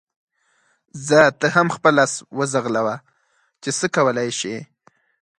ځه ته هم خپل اس وځغلوه چې څه کولای شې.